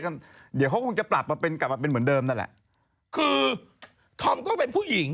ผู้หญิงก็เป็นแม่